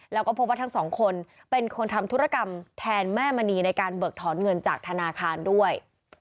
แล้วก็พบว่าทั้งสองคนเป็นคนทำธุรกรรมแทนแม่มณีในการเบิกถอนเงินจากธนาคารด้วย